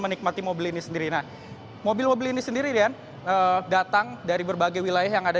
menikmati mobil ini sendiri nah mobil mobil ini sendiri dan datang dari berbagai wilayah yang ada